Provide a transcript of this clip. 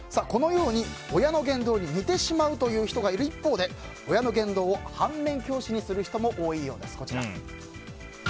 このように親の言動に似てしまうという人がいる一方で親の言動を反面教師にする人も多いようです。